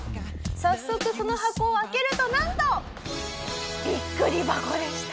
早速その箱を開けるとなんとビックリ箱でした。